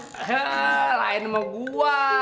heh lain sama gua